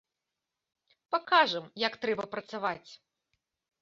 Пакажам як трэба працаваць.